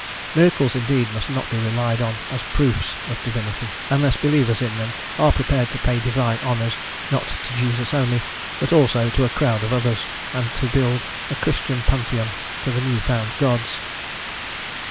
Miracles indeed must not be relied on as proofs of divinity, unless believers in them are prepared to pay divine honours not to Jesus only, but also to a crowd of others, and to build a Christian Pantheon to the new found gods.